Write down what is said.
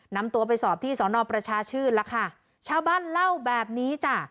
นำตัวไปสอบที่สอนอประชาชื่นแล้วค่ะชาวบ้านเล่าแบบนี้จ้ะ